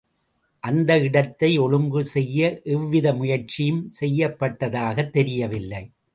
அந்த இடத்தை ஒழுங்கு செய்ய எவ்வித முயற்சியும் செய்யப்பட்டதாகத் தெரியவில்லை.